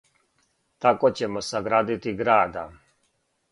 Тако ћемо саградити града.